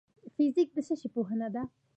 فزیک د څه شي پوهنه ده؟